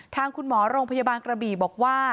ทางคุณหมอโรงพยาบาลกระบี่บอกว่า